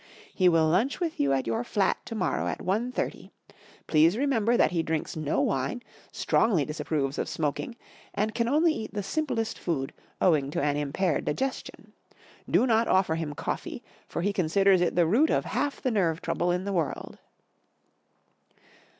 He will lunch with you at your flat to morrow at one thirty. Please remember that he drinks no wine, strongly disapproves of smoking, and can only eat the simplest food, owing to an impaired digestion. Do not offer him coffee, for he considers it the root of half the nerve trouble in the world."